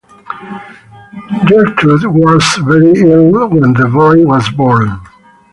Gertrude he was very ill when the boy was born.